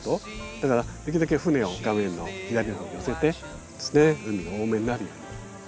だからできるだけ船を画面の左のほうに寄せてで海多めになるように。